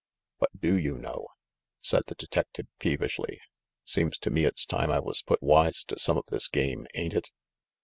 "What do you know?" said the detective peevishly. "Seems to me it's time I was put wise to some of this game, ain't it